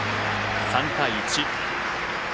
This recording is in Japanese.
３対１。